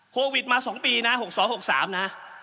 โควิดมา๒ปีนะ๖๒๖๓นะ